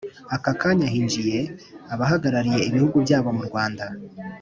Aka kanya hinjiye abahagarariye ibihugu byabo mu Rwanda